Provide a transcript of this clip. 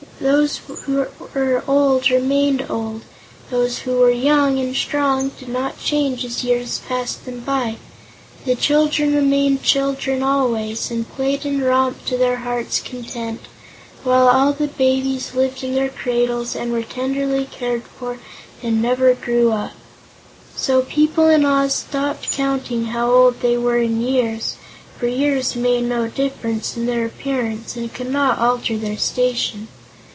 Those who were old remained old; those who were young and strong did not change as years passed them by; the children remained children always, and played and romped to their hearts' content, while all the babies lived in their cradles and were tenderly cared for and never grew up. So people in Oz stopped counting how old they were in years, for years made no difference in their appearance and could not alter their station.